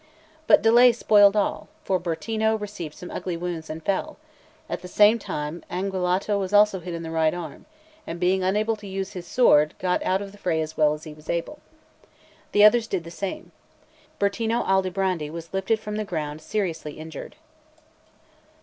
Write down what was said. But delay spoiled all; for Bertino received some ugly wounds and fell; at the same time, Anguillotto was also hit in the right arm, and being unable to use his sword, got out of the fray as well as he was able. The others did the same. Bertino Aldobrandi was lifted from the ground seriously injured.